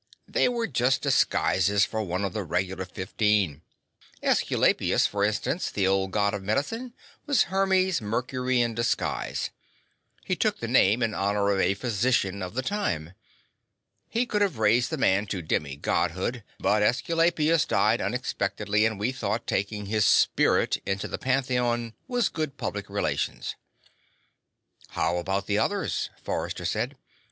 "They were just disguises for one of the regular fifteen. Aesculapius, for instance, the old God of medicine, was Hermes/Mercury in disguise he took the name in honor of a physician of the time. He would have raised the man to demi Godhood, but Aesculapius died unexpectedly, and we thought taking his 'spirit' into the Pantheon was good public relations." "How about the others?" Forrester said.